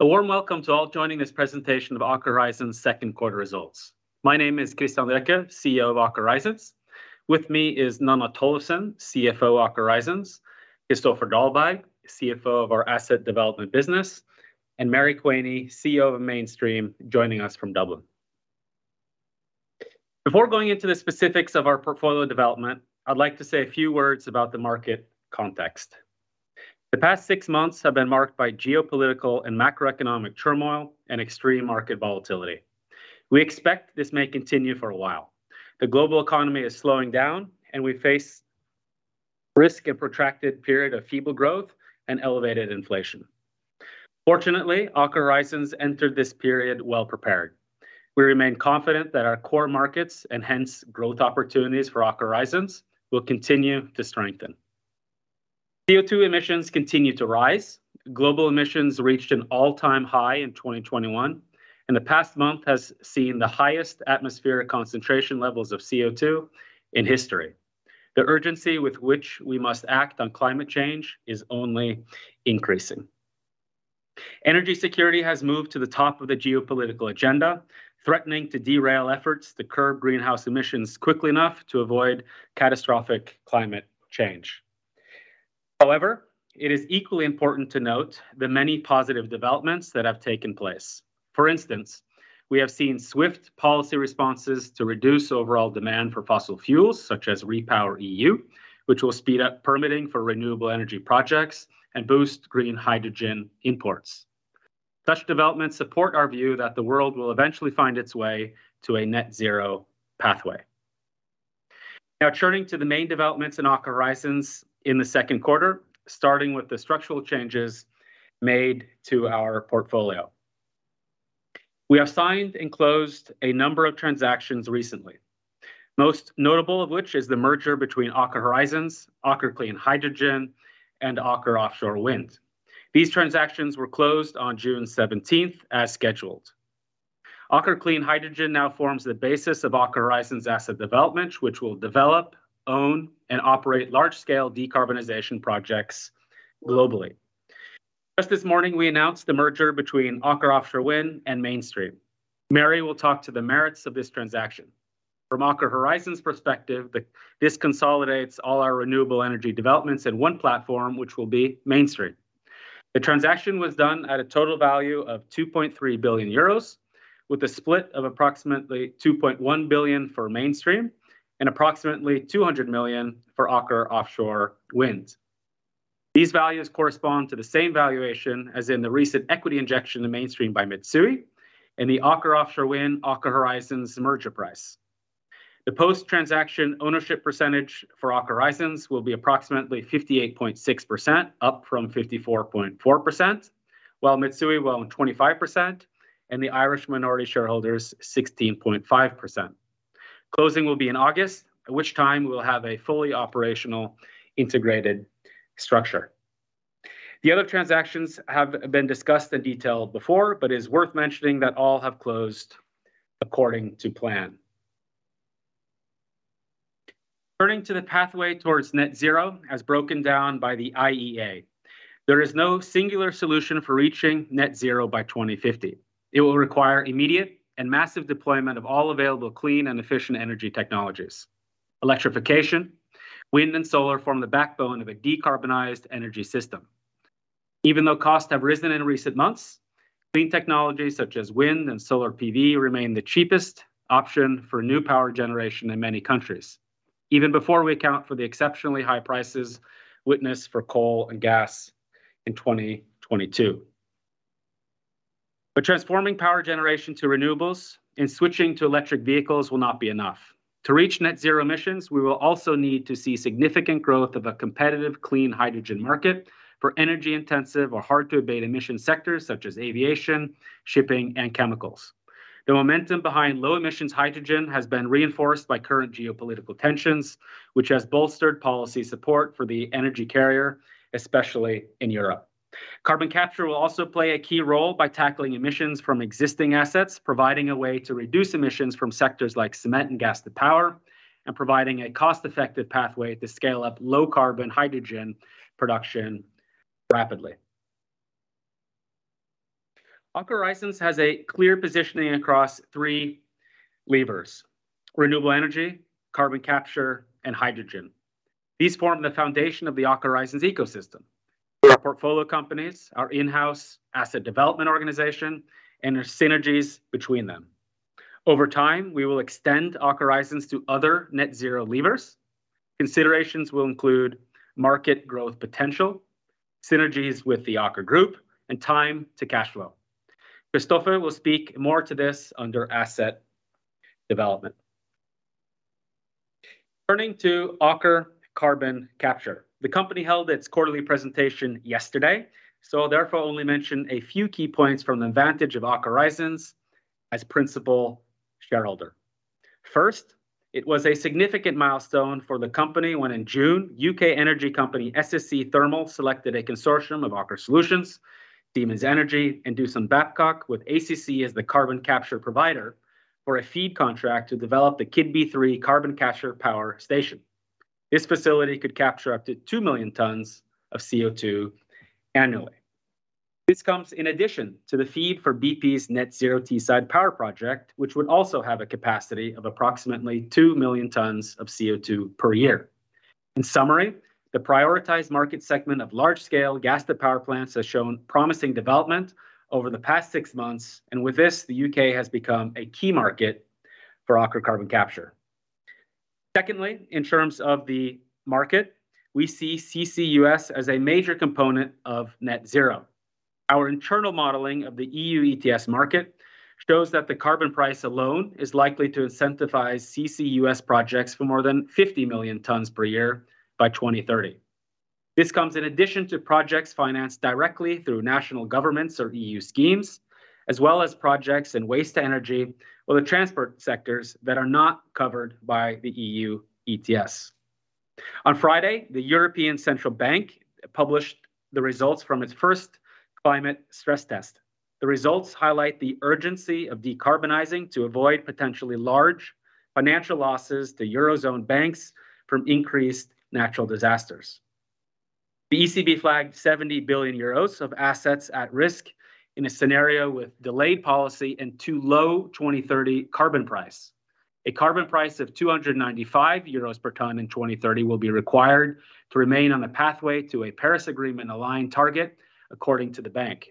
A warm welcome to all joining this presentation of Aker Horizons second quarter results. My name is Christian Yggeseth, CEO of Aker Horizons. With me is Nanna Tollefsen, CFO of Aker Horizons, Kristoffer Dahlberg, CFO of our asset development business, and Mary Quaney, CEO of Mainstream, joining us from Dublin. Before going into the specifics of our portfolio development, I'd like to say a few words about the market context. The past six months have been marked by geopolitical and macroeconomic turmoil and extreme market volatility. We expect this may continue for a while. The global economy is slowing down, and we face risk and protracted period of feeble growth and elevated inflation. Fortunately, Aker Horizons entered this period well prepared. We remain confident that our core markets, and hence growth opportunities for Aker Horizons, will continue to strengthen. CO2 emissions continue to rise. Global emissions reached an all-time high in 2021, and the past month has seen the highest atmospheric concentration levels of CO2 in history. The urgency with which we must act on climate change is only increasing. Energy security has moved to the top of the geopolitical agenda, threatening to derail efforts to curb greenhouse emissions quickly enough to avoid catastrophic climate change. However, it is equally important to note the many positive developments that have taken place. For instance, we have seen swift policy responses to reduce overall demand for fossil fuels, such as REPowerEU, which will speed up permitting for renewable energy projects and boost green hydrogen imports. Such developments support our view that the world will eventually find its way to a net zero pathway. Now turning to the main developments in Aker Horizons in the second quarter, starting with the structural changes made to our portfolio. We have signed and closed a number of transactions recently, most notable of which is the merger between Aker Horizons, Aker Clean Hydrogen, and Aker Offshore Wind. These transactions were closed on June 17th as scheduled. Aker Clean Hydrogen now forms the basis of Aker Horizons asset development, which will develop, own, and operate large-scale decarbonization projects globally. Just this morning, we announced the merger between Aker Offshore Wind and Mainstream. Mary will talk to the merits of this transaction. From Aker Horizons perspective, this consolidates all our renewable energy developments in one platform, which will be Mainstream. The transaction was done at a total value of 2.3 billion euros, with a split of approximately 2.1 billion for Mainstream and approximately 200 million for Aker Offshore Wind. These values correspond to the same valuation as in the recent equity injection to Mainstream by Mitsui and the Aker Offshore Wind/Aker Horizons merger price. The post-transaction ownership percentage for Aker Horizons will be approximately 58.6%, up from 54.4%, while Mitsui will own 25% and the Irish minority shareholders 16.5%. Closing will be in August, at which time we will have a fully operational integrated structure. The other transactions have been discussed in detail before, but is worth mentioning that all have closed according to plan. Turning to the pathway towards net zero as broken down by the IEA, there is no singular solution for reaching net zero by 2050. It will require immediate and massive deployment of all available clean and efficient energy technologies. Electrification, wind, and solar form the backbone of a decarbonized energy system. Even though costs have risen in recent months, clean technologies such as wind and solar PV remain the cheapest option for new power generation in many countries, even before we account for the exceptionally high prices witnessed for coal and gas in 2022. Transforming power generation to renewables and switching to electric vehicles will not be enough. To reach net zero emissions, we will also need to see significant growth of a competitive, clean hydrogen market for energy-intensive or hard to abate emission sectors such as aviation, shipping, and chemicals. The momentum behind low emissions hydrogen has been reinforced by current geopolitical tensions, which has bolstered policy support for the energy carrier, especially in Europe. Carbon Capture will also play a key role by tackling emissions from existing assets, providing a way to reduce emissions from sectors like cement and gas to power, and providing a cost-effective pathway to scale up low-carbon hydrogen production rapidly. Aker Horizons has a clear positioning across three levers: renewable energy, Carbon Capture, and hydrogen. These form the foundation of the Aker Horizons ecosystem for our portfolio companies, our in-house asset development organization, and the synergies between them. Over time, we will extend Aker Horizons to other net zero levers. Considerations will include market growth potential, synergies with the Aker group, and time to cash flow. Kristoffer will speak more to this under asset development. Turning to Aker Carbon Capture, the company held its quarterly presentation yesterday, so I'll therefore only mention a few key points from the advantage of Aker Horizons as principal shareholder. First, it was a significant milestone for the company when in June, U.K. energy company SSE Thermal selected a consortium of Aker Solutions, Siemens Energy, and Doosan Babcock, with ACC as the Carbon Capture provider, for a FEED contract to develop the Keadby 3 Carbon Capture power station. This facility could capture up to 2 million tons of CO2 annually. This comes in addition to the FEED for BP's net zero Teesside Power project, which would also have a capacity of approximately 2 million tons of CO2 per year. In summary, the prioritized market segment of large-scale gas to power plants has shown promising development over the past six months, and with this, the U.K. has become a key market for Aker Carbon Capture. Secondly, in terms of the market, we see CCUS as a major component of net zero. Our internal modeling of the EU ETS market shows that the carbon price alone is likely to incentivize CCUS projects for more than 50 million tons per year by 2030. This comes in addition to projects financed directly through national governments or EU schemes, as well as projects in waste to energy or the transport sectors that are not covered by the EU ETS. On Friday, the European Central Bank published the results from its first climate stress test. The results highlight the urgency of decarbonizing to avoid potentially large financial losses to Eurozone banks from increased natural disasters. The ECB flagged 70 billion euros of assets at risk in a scenario with delayed policy and too low 2030 carbon price. A carbon price of 295 euros per ton in 2030 will be required to remain on a pathway to a Paris Agreement-aligned target, according to the bank.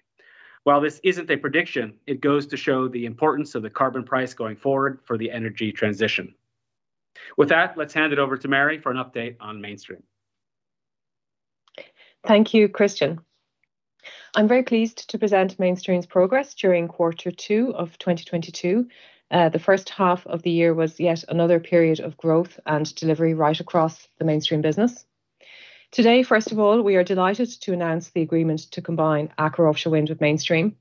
While this isn't a prediction, it goes to show the importance of the carbon price going forward for the energy transition. With that, let's hand it over to Mary for an update on Mainstream. Thank you, Christian. I'm very pleased to present Mainstream's progress during quarter two of 2022. The first half of the year was yet another period of growth and delivery right across the Mainstream business. Today, first of all, we are delighted to announce the agreement to combine Aker Offshore Wind with Mainstream.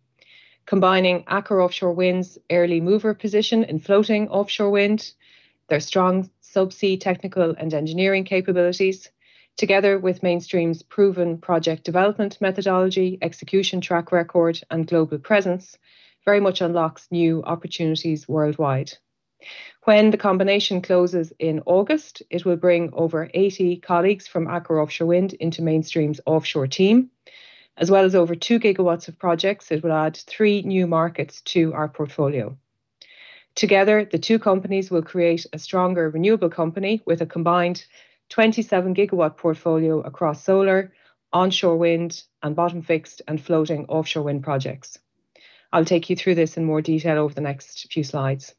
Combining Aker Offshore Wind's early mover position in floating Offshore Wind, their strong subsea technical and engineering capabilities, together with Mainstream's proven project development methodology, execution track record, and global presence, very much unlocks new opportunities worldwide. When the combination closes in August, it will bring over 80 colleagues from Aker Offshore Wind into Mainstream's offshore team. As well as over 2 GW of projects, it will add three new markets to our portfolio. Together, the two companies will create a stronger renewable company with a combined 27 GW portfolio across solar, onshore wind, and bottom fixed and floating Offshore Wind Projects. I'll take you through this in more detail over the next few slides.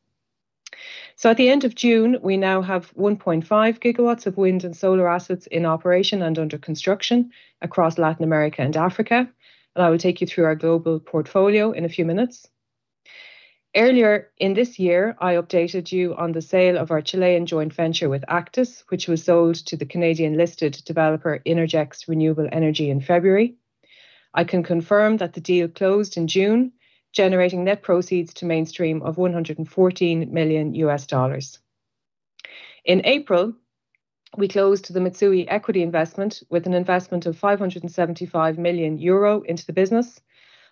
At the end of June, we now have 1.5 GW of wind and solar assets in operation and under construction across Latin America and Africa. I will take you through our global portfolio in a few minutes. Earlier in this year, I updated you on the sale of our Chilean joint venture with Actis, which was sold to the Canadian-listed developer Innergex Renewable Energy in February. I can confirm that the deal closed in June, generating net proceeds to Mainstream of $114 million. In April, we closed the Mitsui equity investment with an investment of 575 million euro into the business.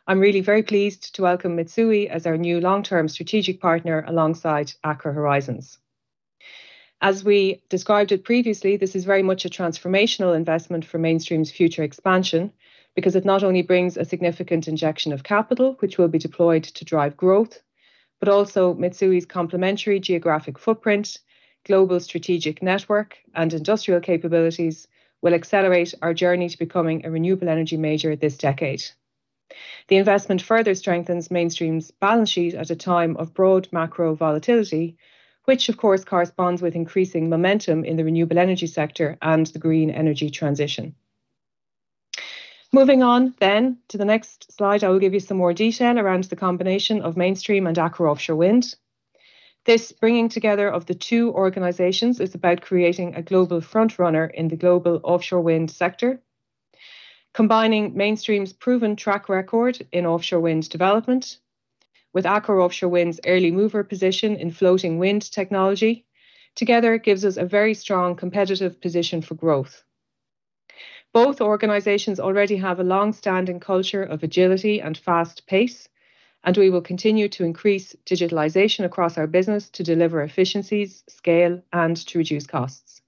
I'm really very pleased to welcome Mitsui as our new long-term strategic partner alongside Aker Horizons. As we described it previously, this is very much a transformational investment for Mainstream's future expansion because it not only brings a significant injection of capital, which will be deployed to drive growth, but also Mitsui's complementary geographic footprint, global strategic network, and industrial capabilities will accelerate our journey to becoming a renewable energy major this decade. The investment further strengthens Mainstream's balance sheet at a time of broad macro volatility, which of course, corresponds with increasing momentum in the renewable energy sector and the green energy transition. Moving on then to the next slide, I will give you some more detail around the combination of Mainstream and Aker Offshore Wind. This bringing together of the two organizations is about creating a global front runner in the global Offshore Wind sector. Combining Mainstream's proven track record in Offshore Wind development with Aker Offshore Wind's early mover position in floating wind technology, together gives us a very strong competitive position for growth. Both organizations already have a long-standing culture of agility and fast pace, and we will continue to increase digitalization across our business to deliver efficiencies, scale, and to reduce costs.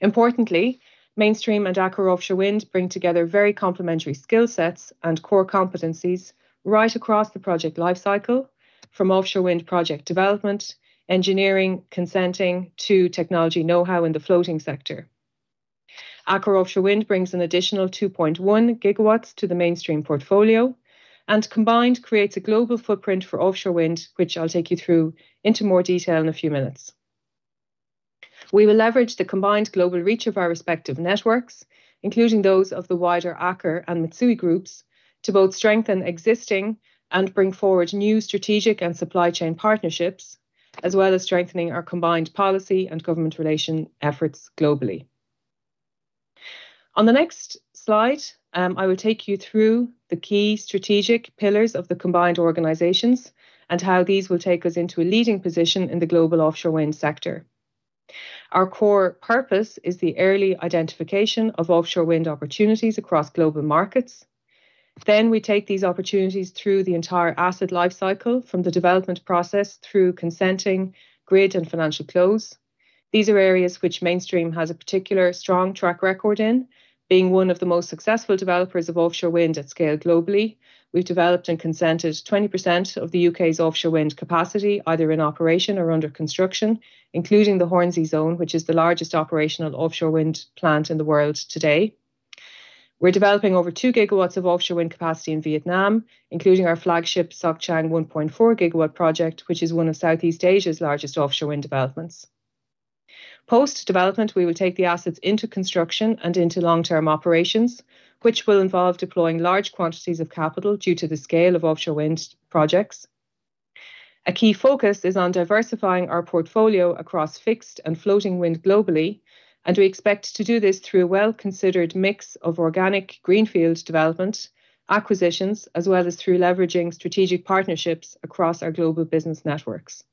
Importantly, Mainstream and Aker Offshore Wind bring together very complementary skill sets and core competencies right across the project lifecycle, from Offshore Wind Project development, engineering, consenting, to technology know-how in the floating sector. Aker Offshore Wind brings an additional 2.1 GW to the Mainstream portfolio, and combined creates a global footprint for Offshore Wind, which I'll take you through into more detail in a few minutes. We will leverage the combined global reach of our respective networks, including those of the wider Aker and Mitsui groups, to both strengthen existing and bring forward new strategic and supply chain partnerships, as well as strengthening our combined policy and government relation efforts globally. On the next slide, I will take you through the key strategic pillars of the combined organizations and how these will take us into a leading position in the global Offshore Wind sector. Our core purpose is the early identification of Offshore Wind opportunities across global markets. We take these opportunities through the entire asset life cycle from the development process through consenting grid and financial close. These are areas which Mainstream has a particular strong track record in, being one of the most successful developers of Offshore Wind at scale globally. We've developed and consented 20% of the UK's Offshore Wind capacity, either in operation or under construction, including the Hornsea Zone, which is the largest operational Offshore Wind plant in the world today. We're developing over 2 GW of Offshore Wind capacity in Vietnam, including our flagship Soc Trang 1.4 GW project, which is one of Southeast Asia's largest Offshore Wind developments. Post-development, we will take the assets into construction and into long-term operations, which will involve deploying large quantities of capital due to the scale of Offshore Wind projects. A key focus is on diversifying our portfolio across fixed and floating wind globally, and we expect to do this through a well-considered mix of organic greenfield development, acquisitions, as well as through leveraging strategic partnerships across our global business networks.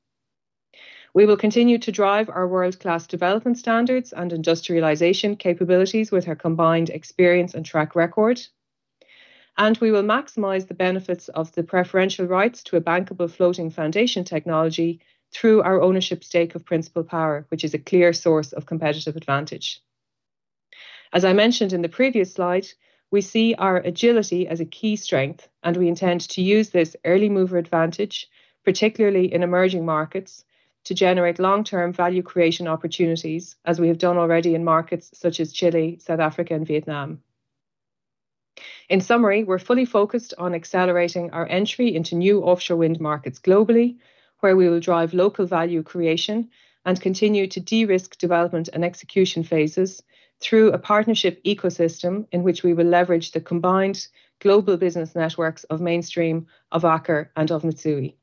We will continue to drive our world-class development standards and industrialization capabilities with our combined experience and track record. We will maximize the benefits of the preferential rights to a bankable floating foundation technology through our ownership stake of Principle Power, which is a clear source of competitive advantage. As I mentioned in the previous slide, we see our agility as a key strength, and we intend to use this early mover advantage, particularly in emerging markets, to generate long-term value creation opportunities as we have done already in markets such as Chile, South Africa and Vietnam. In summary, we're fully focused on accelerating our entry into new Offshore Wind markets globally, where we will drive local value creation and continue to de-risk development and execution phases through a partnership ecosystem in which we will leverage the combined global business networks of Mainstream, of Aker and of Mitsui.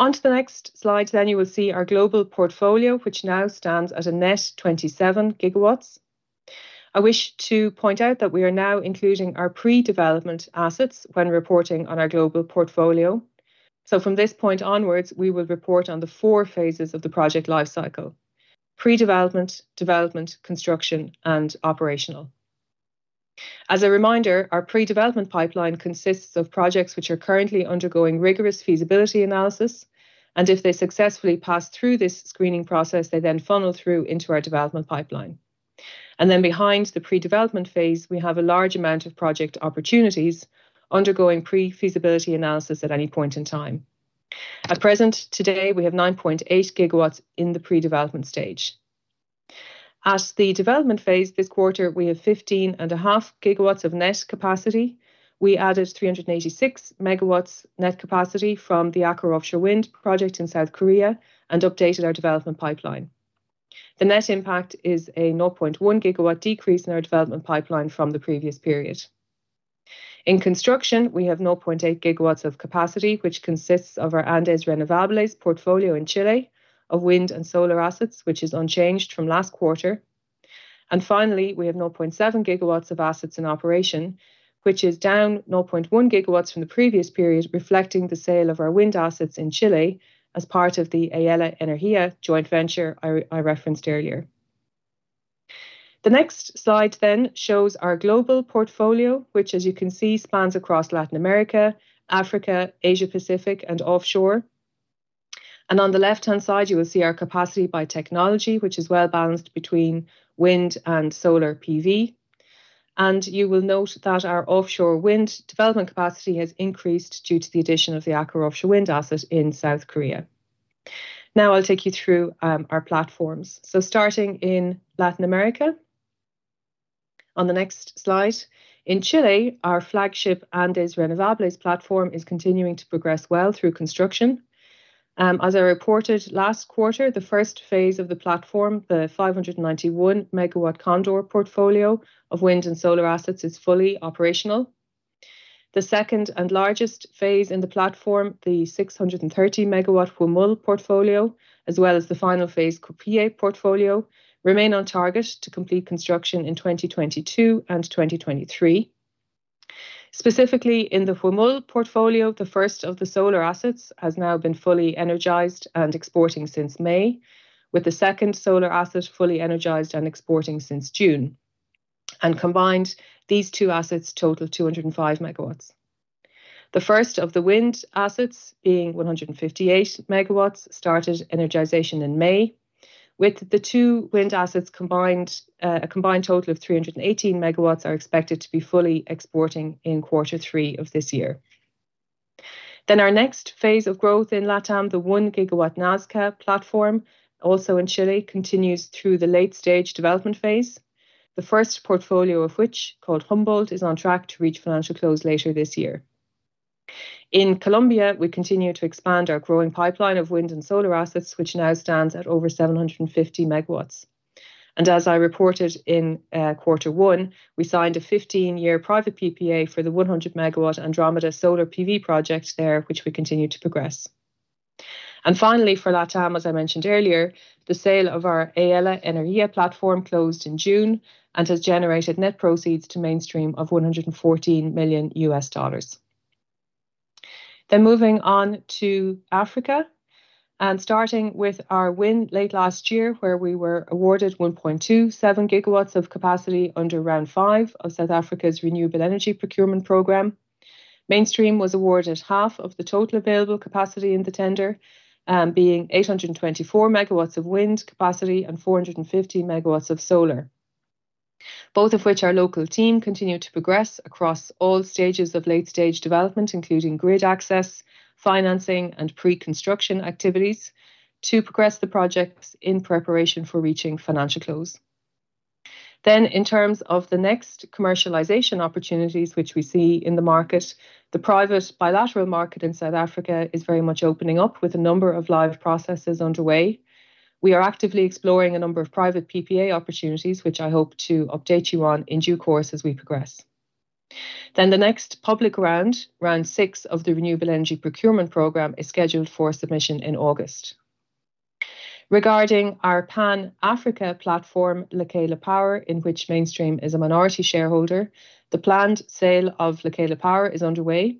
On to the next slide, then you will see our global portfolio, which now stands at a net 27 GW. I wish to point out that we are now including our pre-development assets when reporting on our global portfolio. From this point onwards, we will report on the four phases of the project lifecycle, pre-development, development, construction, and operational. As a reminder, our pre-development pipeline consists of projects which are currently undergoing rigorous feasibility analysis, and if they successfully pass through this screening process, they then funnel through into our development pipeline. Behind the pre-development phase, we have a large amount of project opportunities undergoing pre-feasibility analysis at any point in time. At present, today, we have 9.8 GW in the pre-development stage. At the development phase this quarter, we have 15.5 GW of net capacity. We added 386 MW net capacity from the Aker Offshore Wind Project in South Korea and updated our development pipeline. The net impact is a 0.1 GW decrease in our development pipeline from the previous period. In construction, we have 0.8 GW of capacity, which consists of our Andes Renovables portfolio in Chile of wind and solar assets, which is unchanged from last quarter. Finally, we have 0.7 GW of assets in operation, which is down 0.1 GW from the previous period, reflecting the sale of our wind assets in Chile as part of the Aela Energía joint venture I referenced earlier. The next slide shows our global portfolio, which as you can see, spans across Latin America, Africa, Asia-Pacific and offshore. On the left-hand side, you will see our capacity by technology, which is well-balanced between wind and solar PV. You will note that our Offshore Wind development capacity has increased due to the addition of the Aker Offshore Wind asset in South Korea. Now I'll take you through our platforms. Starting in Latin America. On the next slide, in Chile, our flagship Andes Renovables platform is continuing to progress well through construction. As I reported last quarter, the first phase of the platform, the 591 MW Cóndor portfolio of wind and solar assets, is fully operational. The second and largest phase in the platform, the 630 MW Huemul portfolio, as well as the final phase Copihue portfolio, remain on target to complete construction in 2022 and 2023. Specifically, in the Huemul portfolio, the first of the solar assets has now been fully energized and exporting since May, with the second solar asset fully energized and exporting since June. Combined, these two assets total 205 MW. The first of the wind assets, being 158 MW, started energization in May. With the two wind assets combined, a combined total of 318 MW are expected to be fully exporting in Q3 of this year. Our next phase of growth in LatAm, the 1 GW Nazca Renovables platform, also in Chile, continues through the late-stage development phase. The first portfolio of which, called Humboldt, is on track to reach financial close later this year. In Colombia, we continue to expand our growing pipeline of wind and solar assets, which now stands at over 750 MW. As I reported in quarter one, we signed a 15-year private PPA for the 100 MW Andromeda solar PV project there, which we continue to progress. Finally, for LatAm, as I mentioned earlier, the sale of our Aela Energía platform closed in June and has generated net proceeds to Mainstream of $114 million. Moving on to Africa, starting with our win late last year where we were awarded 1.27 GW of capacity under round five of South Africa's Renewable Energy Procurement Program. Mainstream was awarded half of the total available capacity in the tender, being 824 MW of wind capacity and 450 MW of solar, both of which our local team continued to progress across all stages of late-stage development, including grid access, financing, and pre-construction activities to progress the projects in preparation for reaching financial close. In terms of the next commercialization opportunities which we see in the market, the private bilateral market in South Africa is very much opening up with a number of live processes underway. We are actively exploring a number of private PPA opportunities, which I hope to update you on in due course as we progress. The next public round six of the Renewable Energy Procurement program, is scheduled for submission in August. Regarding our Pan-Africa platform, Lekela Power, in which Mainstream is a minority shareholder, the planned sale of Lekela Power is underway.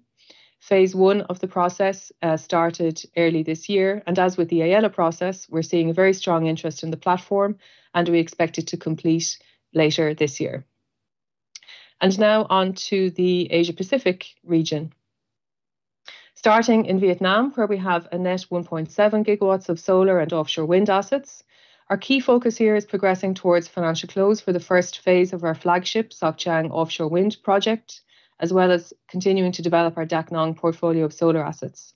Phase I of the process started early this year, and as with the Aela process, we're seeing a very strong interest in the platform, and we expect it to complete later this year. Now on to the Asia-Pacific region. Starting in Vietnam, where we have a net 1.7 GW of solar and Offshore Wind assets. Our key focus here is progressing towards financial close for the first phase of our flagship Soc Trang Offshore Wind Project, as well as continuing to develop our Dak Nong portfolio of solar assets.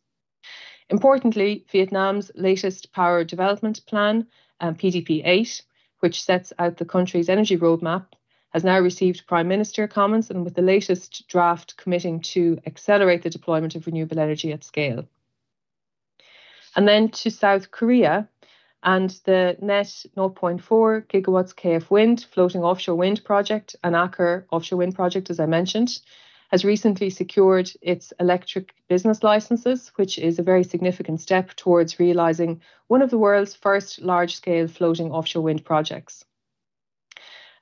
Importantly, Vietnam's latest power development plan, PDP 8, which sets out the country's energy roadmap, has now received Prime Minister comments and with the latest draft committing to accelerate the deployment of renewable energy at scale. To South Korea and the 0.4 GW KF Wind floating Offshore Wind project and Aker Offshore Wind project, as I mentioned, has recently secured its electricity business licenses, which is a very significant step towards realizing one of the world's first large-scale floating Offshore Wind Projects.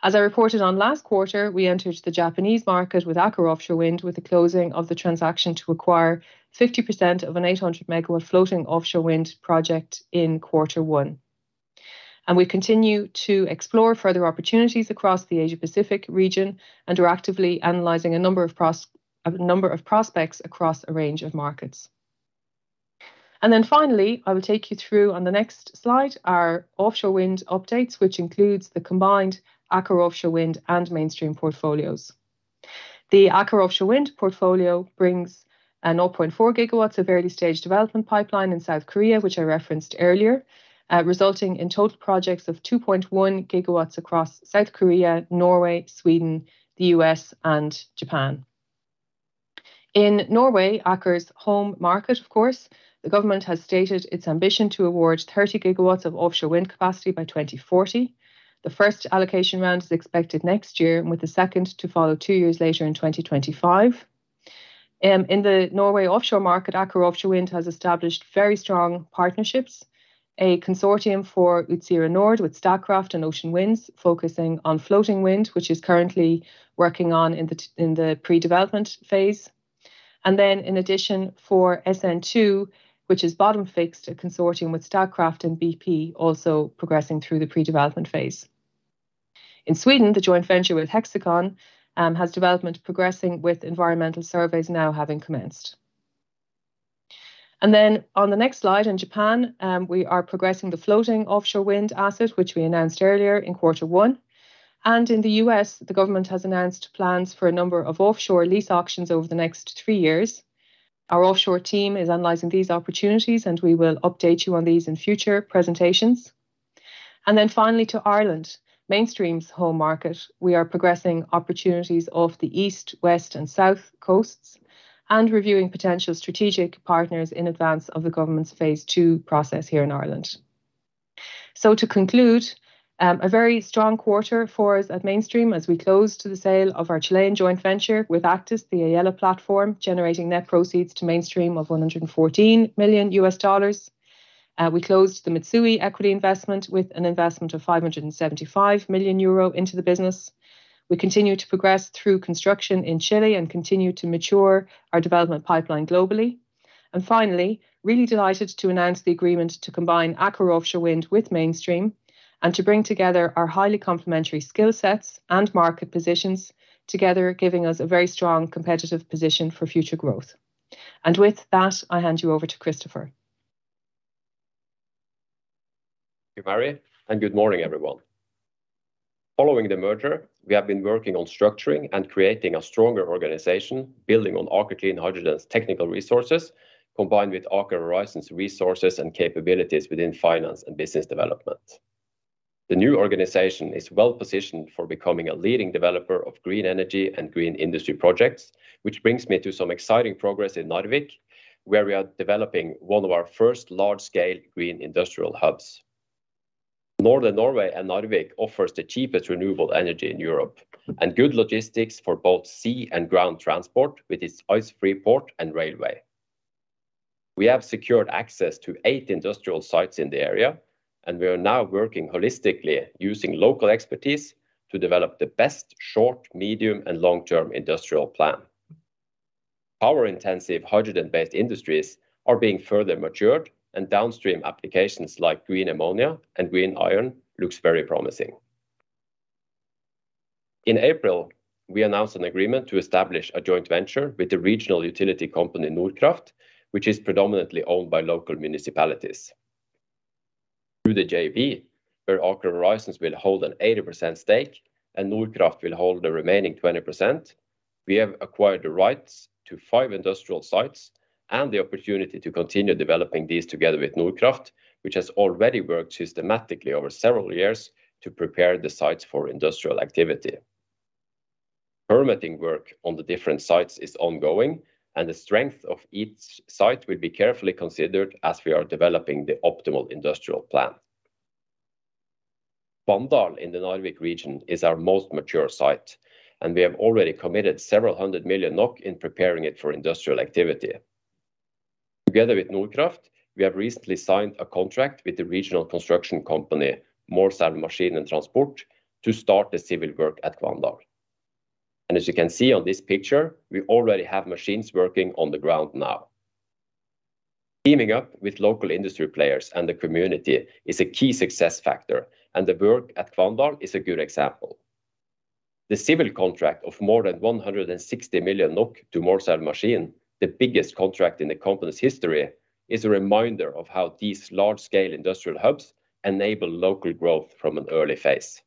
As I reported on last quarter, we entered the Japanese market with Aker Offshore Wind with the closing of the transaction to acquire 50% of an 800 MW floating Offshore Wind Project in Q1. We continue to explore further opportunities across the Asia-Pacific region and are actively analyzing a number of prospects across a range of markets. Finally, I will take you through on the next slide our Offshore Wind updates, which includes the combined Aker Offshore Wind and Mainstream portfolios. The Aker Offshore Wind portfolio brings a 0.4 GW of early-stage development pipeline in South Korea, which I referenced earlier, resulting in total projects of 2.1 GW across South Korea, Norway, Sweden, the U.S., and Japan. In Norway, Aker's home market, of course, the government has stated its ambition to award 30 GW of Offshore Wind capacity by 2040. The first allocation round is expected next year, with the second to follow two years later in 2025. In the Norway offshore market, Aker Offshore Wind has established very strong partnerships, a consortium for Utsira Nord with Statkraft and Ocean Winds, focusing on floating wind, which is currently working on in the pre-development phase. For SN2, which is bottom-fixed, a consortium with Statkraft and BP also progressing through the pre-development phase. In Sweden, the joint venture with Hexicon has development progressing with environmental surveys now having commenced. On the next slide, in Japan, we are progressing the floating Offshore Wind asset, which we announced earlier in quarter one. In the U.S., the government has announced plans for a number of offshore lease auctions over the next three years. Our Offshore team is analyzing these opportunities, and we will update you on these in future presentations. Finally to Ireland, Mainstream's home market. We are progressing opportunities off the East, West, and South Coasts and reviewing potential strategic partners in advance of the government's phase II process here in Ireland. To conclude, a very strong quarter for us at Mainstream as we closed the sale of our Chilean joint venture with Actis, the Aela platform, generating net proceeds to Mainstream of $114 million. We closed the Mitsui equity investment with an investment of 575 million euro into the business. We continue to progress through construction in Chile and continue to mature our development pipeline globally. Finally, really delighted to announce the agreement to combine Aker Offshore Wind with Mainstream and to bring together our highly complementary skill sets and market positions together, giving us a very strong competitive position for future growth. With that, I hand you over to Kristoffer. Thank you, Mary, and good morning, everyone. Following the merger, we have been working on structuring and creating a stronger organization, building on Aker Clean Hydrogen's technical resources, combined with Aker Horizons' resources and capabilities within finance and business development. The new organization is well-positioned for becoming a leading developer of green energy and green industry projects, which brings me to some exciting progress in Narvik, where we are developing one of our first large-scale green industrial hubs. Northern Norway and Narvik offers the cheapest renewable energy in Europe and good logistics for both sea and ground transport with its ice-free port and railway. We have secured access to eight industrial sites in the area, and we are now working holistically using local expertise to develop the best short, medium, and long-term industrial plan. Our intensive hydrogen-based industries are being further matured, and downstream applications like green ammonia and green iron looks very promising. In April, we announced an agreement to establish a joint venture with the regional utility company, Nordkraft, which is predominantly owned by local municipalities. Through the JV, where Aker Horizons will hold an 80% stake and Nordkraft will hold the remaining 20%, we have acquired the rights to five industrial sites and the opportunity to continue developing these together with Nordkraft, which has already worked systematically over several years to prepare the sites for industrial activity. Permitting work on the different sites is ongoing, and the strength of each site will be carefully considered as we are developing the optimal industrial plan. Ballangen in the Narvik region is our most mature site, and we have already committed several hundred million NOK in preparing it for industrial activity. Together with Nordkraft, we have recently signed a contract with the regional construction company, Morstøl Maskin & Transport, to start the civil work at Kvandal. As you can see on this picture, we already have machines working on the ground now. Teaming up with local industry players and the community is a key success factor, and the work at Kvandal is a good example. The civil contract of more than 160 million NOK to Morstøl Maskin, the biggest contract in the company's history, is a reminder of how these large-scale industrial hubs enable local growth from an early phase.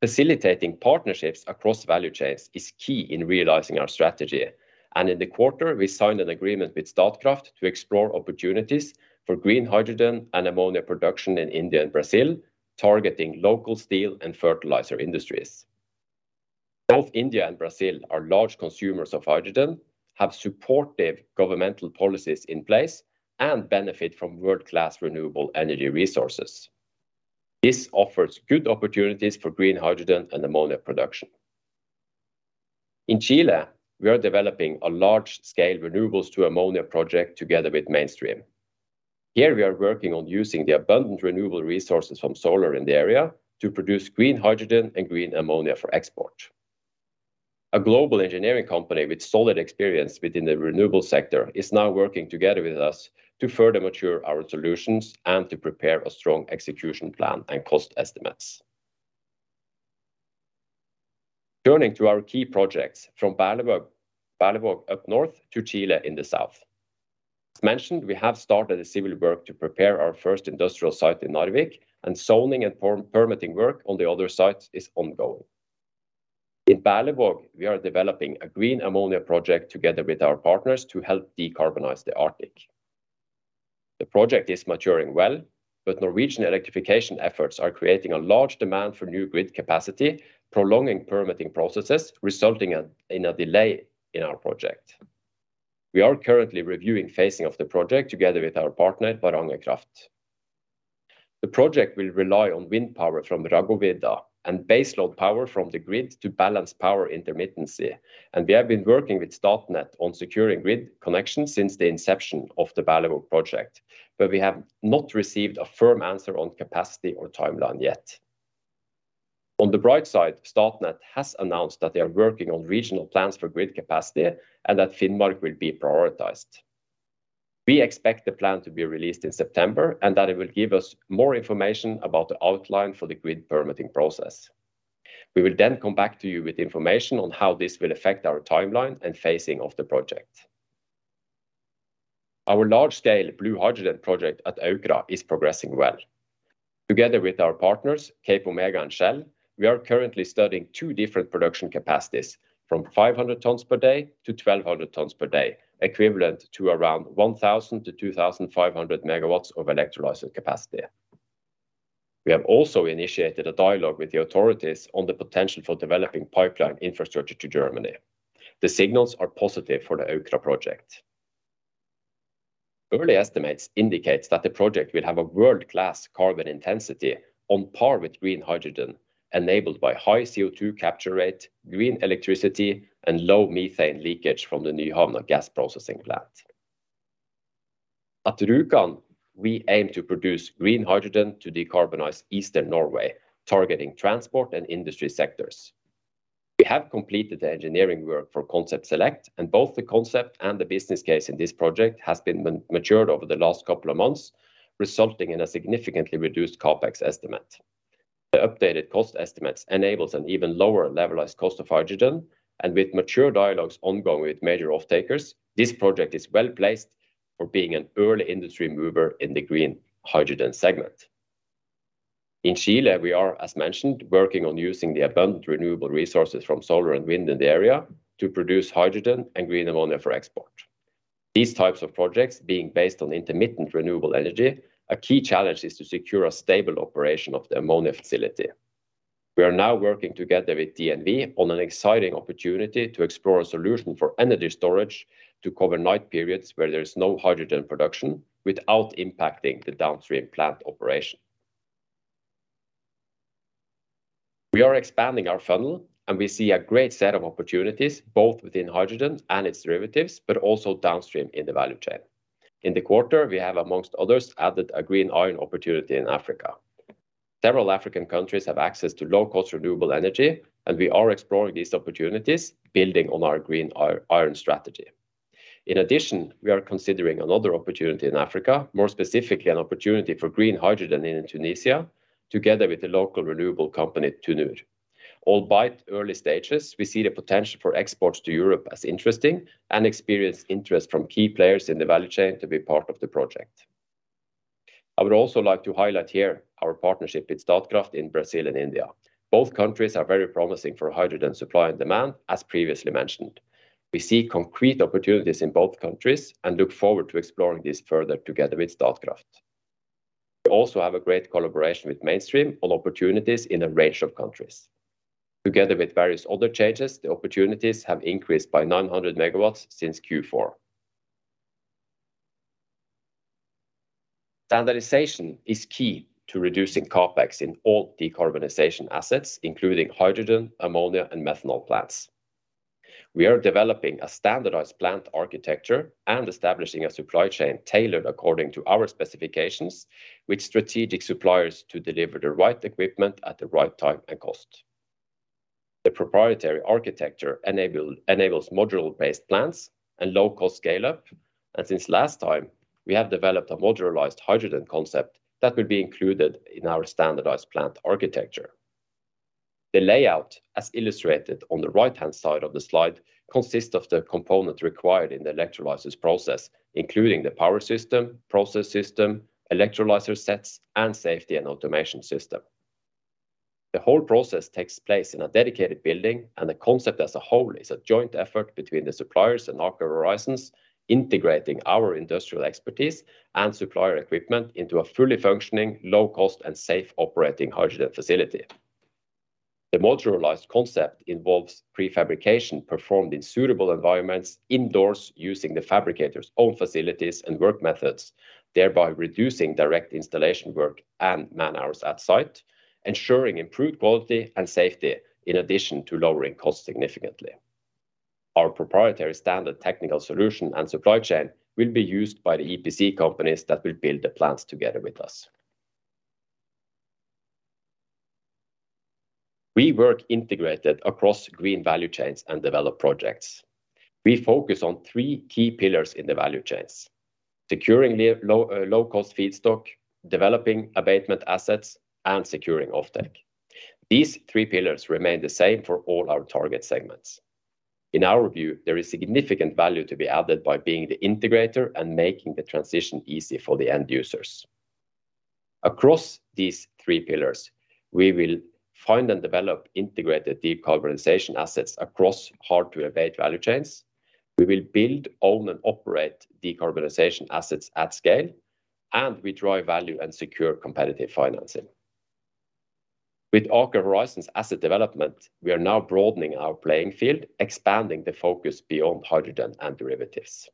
Facilitating partnerships across value chains is key in realizing our strategy. In the quarter, we signed an agreement with Statkraft to explore opportunities for green hydrogen and ammonia production in India and Brazil, targeting local steel and fertilizer industries. Both India and Brazil are large consumers of hydrogen, have supportive governmental policies in place, and benefit from world-class renewable energy resources. This offers good opportunities for green hydrogen and ammonia production. In Chile, we are developing a large-scale renewables to ammonia project together with Mainstream. Here, we are working on using the abundant renewable resources from solar in the area to produce green hydrogen and green ammonia for export. A global engineering company with solid experience within the renewable sector is now working together with us to further mature our solutions and to prepare a strong execution plan and cost estimates. Turning to our key projects from Berlevåg up North to Chile in the south. As mentioned, we have started the civil work to prepare our first industrial site in Narvik, and zoning and permitting work on the other sites is ongoing. In Berlevåg, we are developing a green ammonia project together with our partners to help decarbonize the Arctic. The project is maturing well, but Norwegian electrification efforts are creating a large demand for new grid capacity, prolonging permitting processes, resulting in a delay in our project. We are currently reviewing phasing of the project together with our partner, Varanger Kraft. The project will rely on wind power from Raggovidda and base load power from the grid to balance power intermittency. We have been working with Statnett on securing grid connection since the inception of the Berlevåg project, but we have not received a firm answer on capacity or timeline yet. On the bright side, Statnett has announced that they are working on regional plans for grid capacity and that Finnmark will be prioritized. We expect the plan to be released in September, and that it will give us more information about the outline for the grid permitting process. We will then come back to you with information on how this will affect our timeline and phasing of the project. Our large-scale blue hydrogen project at Aukra is progressing well. Together with our partners, CapeOmega and Shell, we are currently studying two different production capacities from 500 tons per day to 1,200 tons per day, equivalent to around 1,000 MW-2,500 MW of electrolyzer capacity. We have also initiated a dialogue with the authorities on the potential for developing pipeline infrastructure to Germany. The signals are positive for the Aukra project. Early estimates indicate that the project will have a world-class carbon intensity on par with green hydrogen, enabled by high CO2 capture rate, green electricity, and low methane leakage from the Nyhamna gas processing plant. At Rjukan, we aim to produce green hydrogen to decarbonize Eastern Norway, targeting transport and industry sectors. We have completed the engineering work for concept select, and both the concept and the business case in this project have been matured over the last couple of months, resulting in a significantly reduced CapEx estimate. The updated cost estimates enable an even lower levelized cost of hydrogen, and with mature dialogues ongoing with major off-takers, this project is well placed for being an early industry mover in the green hydrogen segment. In Chile, we are, as mentioned, working on using the abundant renewable resources from solar and wind in the area to produce hydrogen and green ammonia for export. These types of projects being based on intermittent renewable energy, a key challenge is to secure a stable operation of the ammonia facility. We are now working together with DNV on an exciting opportunity to explore a solution for energy storage to cover night periods where there is no hydrogen production without impacting the downstream plant operation. We are expanding our funnel and we see a great set of opportunities both within hydrogen and its derivatives, but also downstream in the value chain. In the quarter, we have among others added a green iron opportunity in Africa. Several African countries have access to low cost renewable energy and we are exploring these opportunities building on our green iron strategy. In addition, we are considering another opportunity in Africa, more specifically an opportunity for green hydrogen in Tunisia together with the local renewable company, TuNur. All in early stages, we see the potential for exports to Europe as interesting and experience interest from key players in the value chain to be part of the project. I would also like to highlight here our partnership with Statkraft in Brazil and India. Both countries are very promising for hydrogen supply and demand, as previously mentioned. We see concrete opportunities in both countries and look forward to exploring this further together with Statkraft. We also have a great collaboration with Mainstream on opportunities in a range of countries. Together with various other changes, the opportunities have increased by 900 MW since Q4. Standardization is key to reducing CapEx in all decarbonization assets, including hydrogen, ammonia, and methanol plants. We are developing a standardized plant architecture and establishing a supply chain tailored according to our specifications with strategic suppliers to deliver the right equipment at the right time and cost. The proprietary architecture enables module-based plants and low cost scale-up. Since last time, we have developed a modularized hydrogen concept that will be included in our standardized plant architecture. The layout, as illustrated on the right-hand side of the slide, consists of the components required in the electrolysis process, including the power system, process system, electrolyzer sets, and safety and automation system. The whole process takes place in a dedicated building, and the concept as a whole is a joint effort between the suppliers and Aker Horizons, integrating our industrial expertise and supplier equipment into a fully functioning, low cost and safe operating hydrogen facility. The modularized concept involves prefabrication performed in suitable environments indoors using the fabricator's own facilities and work methods, thereby reducing direct installation work and man-hours at site, ensuring improved quality and safety in addition to lowering cost significantly. Our proprietary standard technical solution and supply chain will be used by the EPC companies that will build the plants together with us. We work integrated across green value chains and develop projects. We focus on three key pillars in the value chains. Securing low cost feedstock, developing abatement assets, and securing offtake. These three pillars remain the same for all our target segments. In our view, there is significant value to be added by being the integrator and making the transition easy for the end users. Across these three pillars, we will find and develop integrated decarbonization assets across hard to abate value chains. We will build, own, and operate decarbonization assets at scale, and we drive value and secure competitive financing. With Aker Horizons asset development, we are now broadening our playing field, expanding the focus beyond hydrogen and derivatives.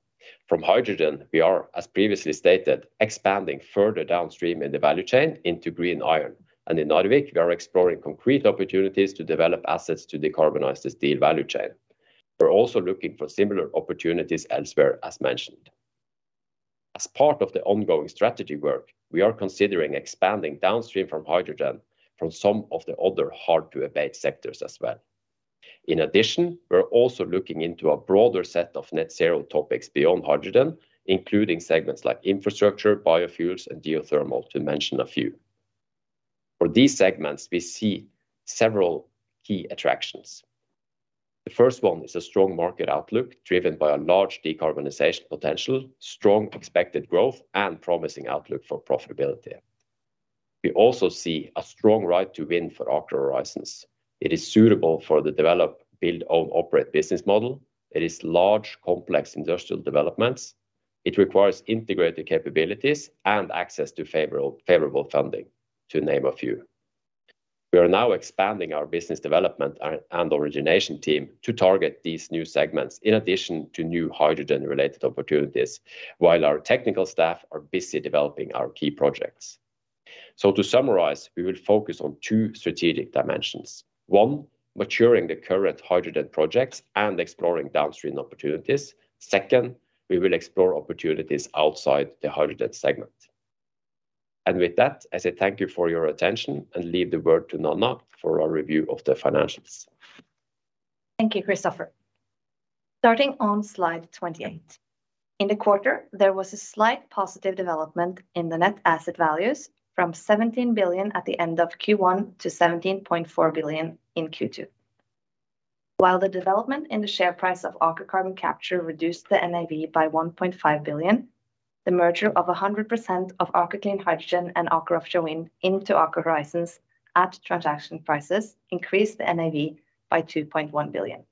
From hydrogen, we are, as previously stated, expanding further downstream in the value chain into green iron. In Narvik, we are exploring concrete opportunities to develop assets to decarbonize the steel value chain. We're also looking for similar opportunities elsewhere as mentioned. As part of the ongoing strategy work, we are considering expanding downstream from hydrogen from some of the other hard-to-abate sectors as well. In addition, we're also looking into a broader set of net zero topics beyond hydrogen, including segments like infrastructure, biofuels, and geothermal, to mention a few. For these segments, we see several key attractions. The first one is a strong market outlook driven by a large decarbonization potential, strong expected growth, and promising outlook for profitability. We also see a strong right to win for Aker Horizons. It is suitable for the develop, build, own, operate business model. It is large, complex industrial developments. It requires integrated capabilities and access to favorable funding, to name a few. We are now expanding our business development and origination team to target these new segments in addition to new hydrogen related opportunities while our technical staff are busy developing our key projects. To summarize, we will focus on two strategic dimensions. One, maturing the current hydrogen projects and exploring downstream opportunities. Second, we will explore opportunities outside the hydrogen segment. With that, I say thank you for your attention and leave the word to Nanna for our review of the financials. Thank you, Kristoffer. Starting on slide 28. In the quarter, there was a slight positive development in the net asset values from 17 billion at the end of Q1 to 17.4 billion in Q2. While the development in the share price of Aker Carbon Capture reduced the NAV by 1.5 billion, the merger of 100% of Aker Clean Hydrogen and Aker Offshore Wind into Aker Horizons at transaction prices increased the NAV by 2.1 billion.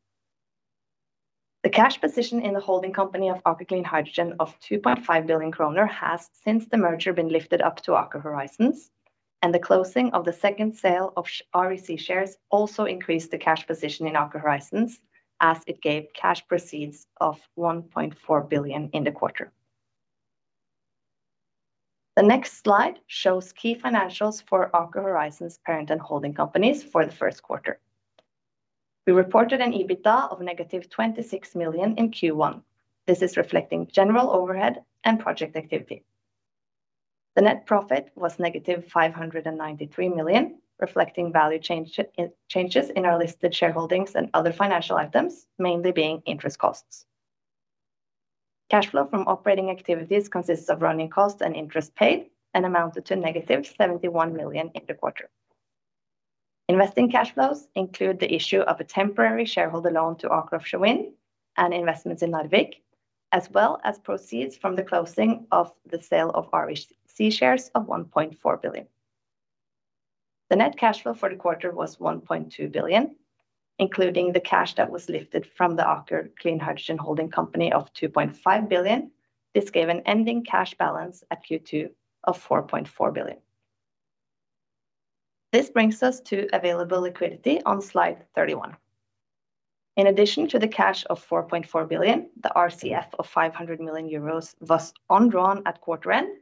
The cash position in the holding company of Aker Clean Hydrogen of 2.5 billion kroner has since the merger been lifted up to Aker Horizons, and the closing of the second sale of REC shares also increased the cash position in Aker Horizons as it gave cash proceeds of 1.4 billion in the quarter. The next slide shows key financials for Aker Horizons parent and holding companies for the first quarter. We reported an EBITDA of -26 million in Q1. This is reflecting general overhead and project activity. The net profit was -593 million, reflecting value change, changes in our listed shareholdings and other financial items, mainly being interest costs. Cash flow from operating activities consists of running costs and interest paid, and amounted to -71 million in the quarter. Investing cash flows include the issue of a temporary shareholder loan to Aker Offshore Wind and investments in Narvik, as well as proceeds from the closing of the sale of REC shares of 1.4 billion. The net cash flow for the quarter was 1.2 billion, including the cash that was lifted from the Aker Clean Hydrogen holding company of 2.5 billion. This gave an ending cash balance at Q2 of 4.4 billion. This brings us to available liquidity on slide 31. In addition to the cash of 4.4 billion, the RCF of 500 million euros was undrawn at quarter end,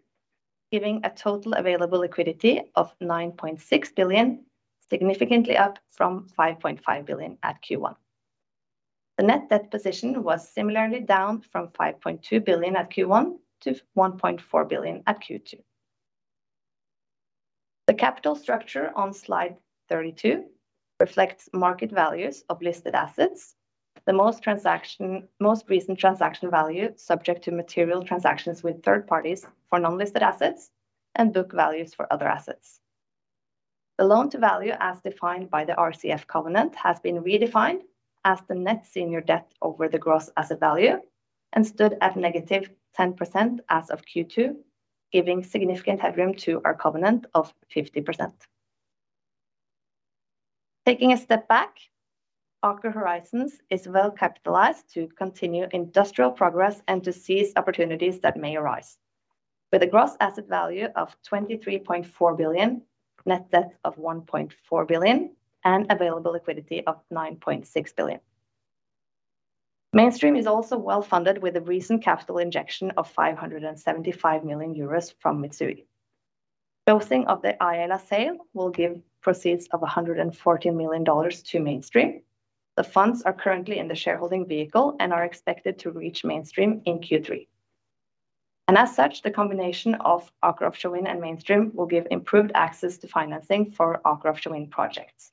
giving a total available liquidity of 9.6 billion, significantly up from 5.5 billion at Q1. The net debt position was similarly down from 5.2 billion at Q1 to 1.4 billion at Q2. The capital structure on slide 32 reflects market values of listed assets. The most recent transaction value subject to material transactions with third parties for non-listed assets and book values for other assets. The loan to value as defined by the RCF covenant has been redefined as the net senior debt over the gross asset value, and stood at -10% as of Q2, giving significant headroom to our covenant of 50%. Taking a step back, Aker Horizons is well capitalized to continue industrial progress and to seize opportunities that may arise. With a gross asset value of 23.4 billion, net debt of 1.4 billion, and available liquidity of 9.6 billion. Mainstream is also well-funded with a recent capital injection of 575 million euros from Mitsui. Closing of the Aela sale will give proceeds of $114 million to Mainstream. The funds are currently in the shareholding vehicle and are expected to reach Mainstream in Q3. As such, the combination of Aker Offshore Wind and Mainstream will give improved access to financing for Aker Offshore Wind projects.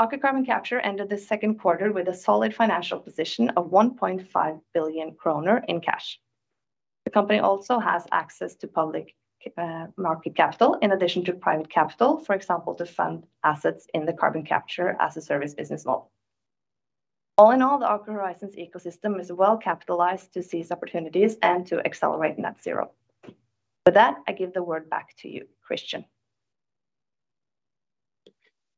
Aker Carbon Capture ended the second quarter with a solid financial position of 1.5 billion kroner in cash. The company also has access to public market capital in addition to private capital, for example, to fund assets in the Carbon Capture as a service business model. All in all, the Aker Horizons ecosystem is well capitalized to seize opportunities and to accelerate net zero. With that, I give the word back to you, Christian.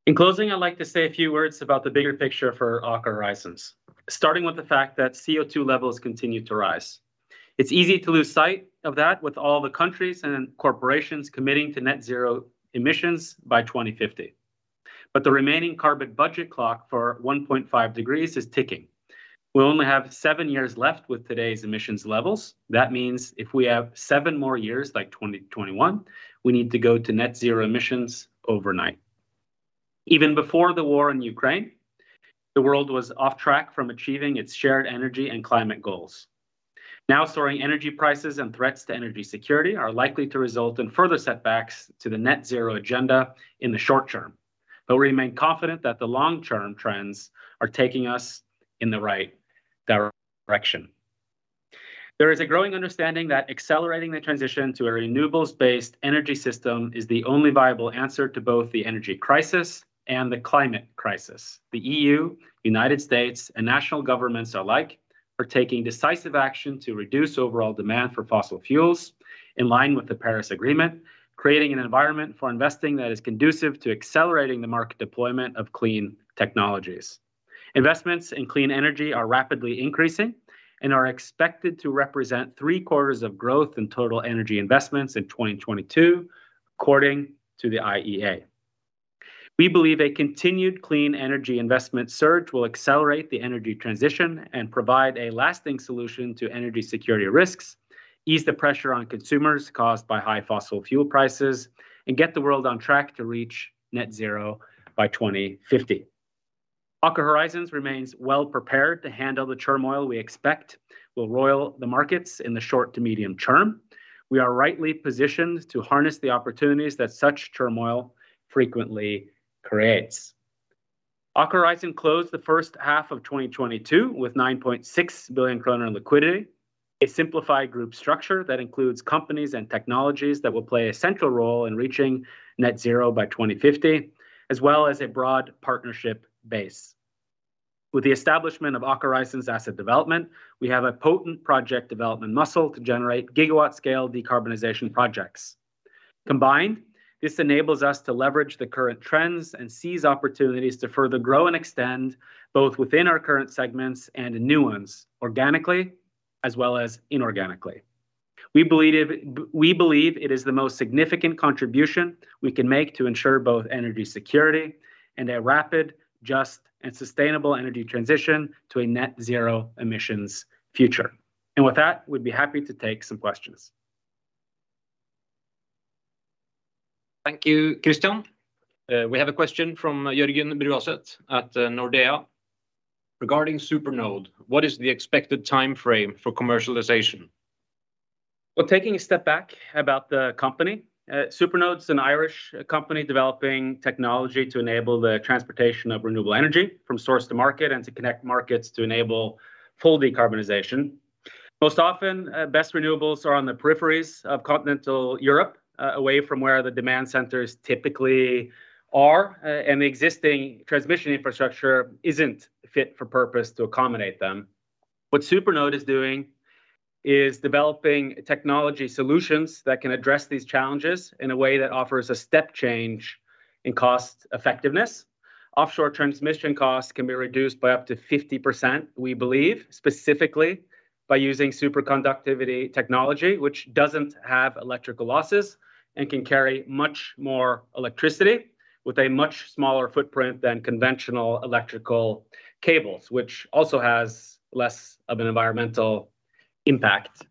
In closing, I'd like to say a few words about the bigger picture for Aker Horizons, starting with the fact that CO2 levels continue to rise. It's easy to lose sight of that with all the countries and corporations committing to net zero emissions by 2050. The remaining carbon budget clock for 1.5 degrees is ticking. We only have seven years left with today's emissions levels. That means if we have seven more years like 2021, we need to go to net zero emissions overnight. Even before the war in Ukraine, the world was off track from achieving its shared energy and climate goals. Now, soaring energy prices and threats to energy security are likely to result in further setbacks to the net zero agenda in the short term. We remain confident that the long-term trends are taking us in the right direction. There is a growing understanding that accelerating the transition to a renewables-based energy system is the only viable answer to both the energy crisis and the climate crisis. The EU, United States, and national governments alike are taking decisive action to reduce overall demand for fossil fuels in line with the Paris Agreement, creating an environment for investing that is conducive to accelerating the market deployment of clean technologies. Investments in clean energy are rapidly increasing and are expected to represent three-quarters of growth in total energy investments in 2022, according to the IEA. We believe a continued clean energy investment surge will accelerate the energy transition and provide a lasting solution to energy security risks, ease the pressure on consumers caused by high fossil fuel prices, and get the world on track to reach net zero by 2050. Aker Horizons remains well prepared to handle the turmoil we expect will roil the markets in the short to medium term. We are rightly positioned to harness the opportunities that such turmoil frequently creates. Aker Horizons closed the first half of 2022 with 9.6 billion kroner liquidity, a simplified group structure that includes companies and technologies that will play a central role in reaching net zero by 2050, as well as a broad partnership base. With the establishment of Aker Horizons Asset Development, we have a potent project development muscle to generate gigawatt-scale decarbonization projects. Combined, this enables us to leverage the current trends and seize opportunities to further grow and extend both within our current segments and in new ones, organically as well as inorganically. We believe it is the most significant contribution we can make to ensure both energy security and a rapid, just, and sustainable energy transition to a net zero emissions future. With that, we'd be happy to take some questions. Thank you, Christian. We have a question from Jørgen Bruaset at Nordea regarding SuperNode. What is the expected timeframe for commercialization? Well, taking a step back about the company, SuperNode's an Irish company developing technology to enable the transportation of renewable energy from source to market and to connect markets to enable full decarbonization. Most often, best renewables are on the peripheries of continental Europe, away from where the demand centers typically are. The existing transmission infrastructure isn't fit for purpose to accommodate them. What SuperNode is doing is developing technology solutions that can address these challenges in a way that offers a step change in cost effectiveness. Offshore transmission costs can be reduced by up to 50%, we believe, specifically by using superconductivity technology, which doesn't have electrical losses and can carry much more electricity with a much smaller footprint than conventional electrical cables, which also has less of an environmental impact.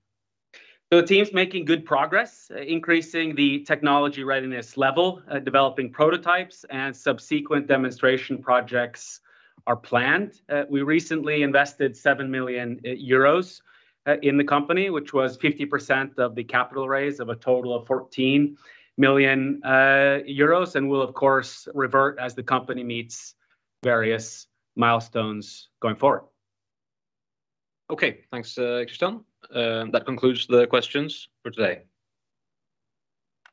The team's making good progress increasing the technology readiness level. Developing prototypes and subsequent demonstration projects are planned. We recently invested 7 million euros in the company, which was 50% of the capital raise of a total of 14 million euros. We'll of course revert as the company meets various milestones going forward. Okay. Thanks, Christian. That concludes the questions for today.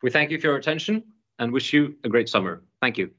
We thank you for your attention and wish you a great summer. Thank you.